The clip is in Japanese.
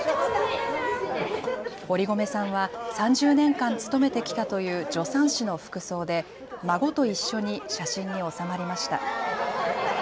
堀米さんは３０年間勤めてきたという助産師の服装で孫と一緒に写真に収まりました。